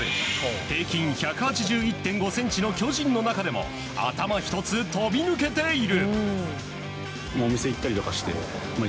平均１８１．５ｃｍの巨人の中でも頭ひとつ飛び抜けている。